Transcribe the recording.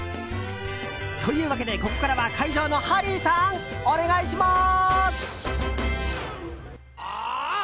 というわけで、ここからは会場のハリーさんお願いします！